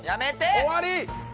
終わり！